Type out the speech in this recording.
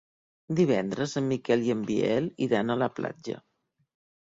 Divendres en Miquel i en Biel iran a la platja.